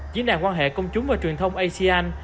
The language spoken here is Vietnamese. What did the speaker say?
diễn đàn quan hệ công chúng và truyền thông asean